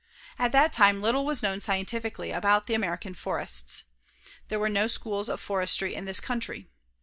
At that time little was known scientifically about the American forests. There were no schools of forestry in this country.